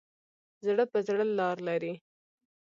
زړه په زړه لار لري.